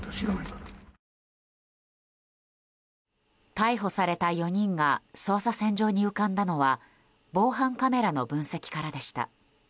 逮捕された４人が捜査線上に浮かんだのは防犯カメラの分析からでした。